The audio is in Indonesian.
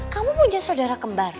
kamu punya saudara kembar